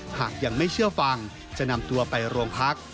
หากยังไม่เชื่อฟังจะนำตัวไปโรงพัก